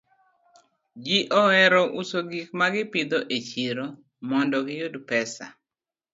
Ji ohero uso gik ma gipidho e chiro mondo giyud pesa.